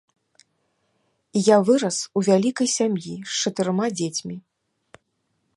Я вырас у вялікай сям'і з чатырма дзецьмі.